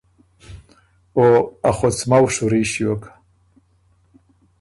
او ا خُڅمؤ شوري ݭیوک